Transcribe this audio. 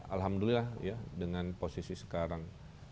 alhamdulillah dengan posisi sekarang